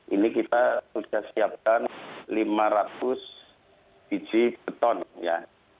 ini kita sudah siapkan lima ratus biji beton ya